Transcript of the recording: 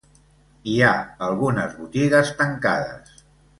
Hi ha algunes botigues tancades.